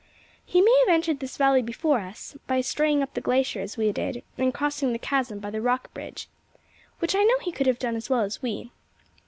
He may have entered this valley before us by straying up the glacier as we did, and crossing the chasm by the rock bridge which I know he could have done as well as we.